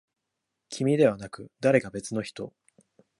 君ではなく、誰か別の人。